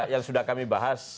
yang sudah kami bahas